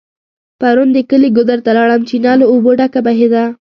پرون د کلي ګودر ته لاړم .چينه له اوبو ډکه بهيده